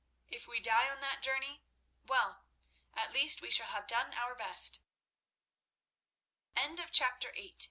If we die on that journey, well, at least we shall have done our best." Chapter IX.